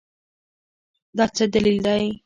دا څه دلیل دی ؟